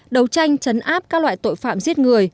đấu tranh chấn áp các loại tội phạm giết người